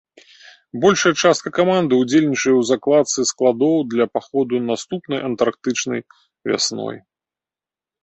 Большая частка каманды ўдзельнічае ў закладцы складоў для паходу наступнай антарктычнай вясной.